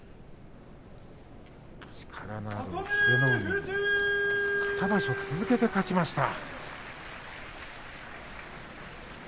英乃海、２場所続けて勝ちました。